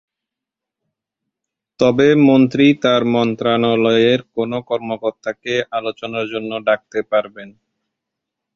তবে মন্ত্রী তার মন্ত্রণালয়ের কোনো কর্মকর্তাকে আলোচনার জন্য ডাকতে পারবেন।